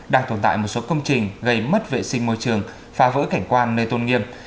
đang tồn tại một số công trình gây mất vệ sinh môi trường phá vỡ cảnh quan nơi tôn nghiêm